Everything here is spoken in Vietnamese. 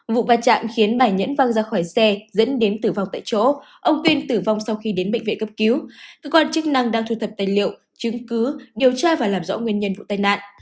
vụ va chạm khiến bà nhẫn văng ra khỏi xe dẫn đến tử vong tại chỗ ông kiên tử vong sau khi đến bệnh viện cấp cứu cơ quan chức năng đang thu thập tài liệu chứng cứ điều tra và làm rõ nguyên nhân vụ tai nạn